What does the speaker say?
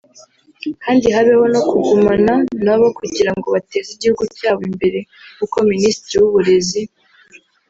kandi habeho no kugumana nabo kugira ngo bateze igihugu cyabo imbere; nk’uko Minisitiri w’uburezi